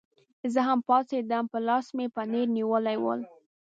زه هم پاڅېدم، په لاس کې مې پنیر نیولي ول.